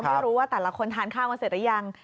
ไม่รู้ว่าแต่ละคนทานข้าวกันเสร็จหรือยัง